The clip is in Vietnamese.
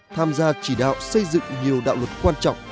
tham gia chỉ đạo xây dựng nhiều đạo luật quan trọng